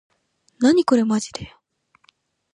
なにこれまじで